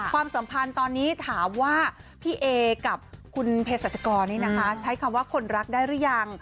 ความสัมพันธ์ตอนนี้ถามว่าพี่เอกับคุณเพศรัชกรใช้คำว่าคนรักได้หรือยัง